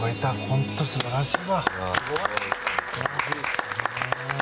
本当素晴らしいわ。